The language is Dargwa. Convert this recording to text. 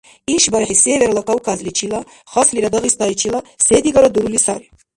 ИшбархӀи Северла Кавказличила, хаслира – Дагъистайчила се-дигара дурули сари.